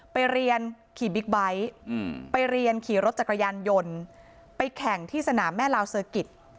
ไปเรียนขี่บิ๊กไบท์ไปเรียนขี่รถจักรยานยนต์ไปแข่งที่สนามแม่ลาวเซอร์กิจ